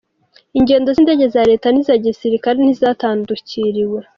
Ingendo z'indege za leta n'iz'igisirikare ntizatandukiriwe.